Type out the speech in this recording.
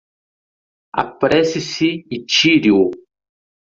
Apresse-se e tire-o